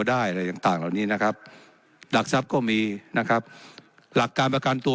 ได้อะไรต่างต่างเหล่านี้นะครับหลักทรัพย์ก็มีนะครับหลักการประกันตัว